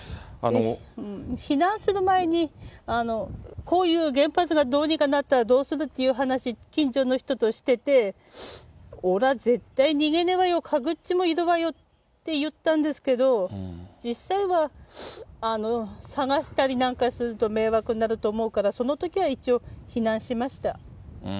避難する前にこういう原発がどうにかなったらどうするっていう話、近所の人としてて、おら絶対逃げねはよ、いどばよって言ったんですけど、実際はさがしたりなんかすると迷惑になると思うからそのときは一応、避難しました。